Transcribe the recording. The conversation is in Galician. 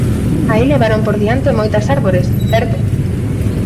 Aí levaron por diante moitas árbores, certo.